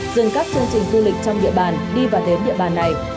rừng tổ chức sự kiện tập trung trong nhà trên hai mươi người